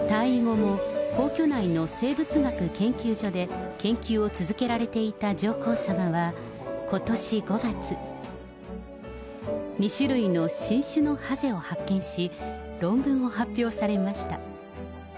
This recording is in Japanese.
退位後も、皇居内の生物学研究所で研究を続けられていた上皇さまは、ことし５月、２種類の新種のハゼを発見し、論文を発表されました。